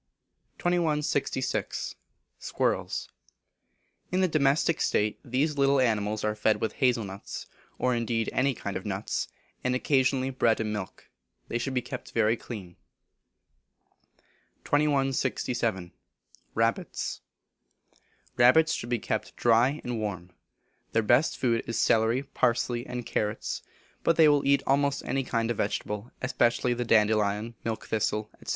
2166. Squirrels. In a domestic state these little animals are fed with hazel nuts, or indeed any kind of nuts; and occasionally bread and milk. They should be kept very clean. 2167. Rabbits. Rabbits should be kept dry and warm. Their best food is celery, parsley, and carrots; but they will eat almost any kind of vegetable, especially the dandelion, milk thistle, &c.